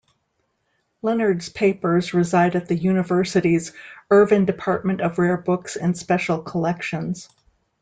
Leonard's papers reside at the university's Irvin Department of Rare Books and Special Collections.